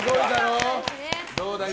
どうだい？